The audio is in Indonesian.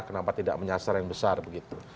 kenapa tidak menyasar yang besar begitu